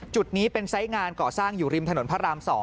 จุดนี้เป็นไซส์งานก่อสร้างอยู่ริมถนนพระราม๒